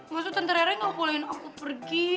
maksud tante reret gak bolehin aku pergi